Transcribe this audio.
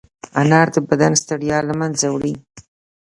انار د بدن ستړیا له منځه وړي.